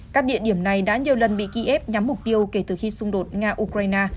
các địa điểm này đã nhiều lần bị kiev nhắm mục tiêu kể từ khi xung đột nga ukraine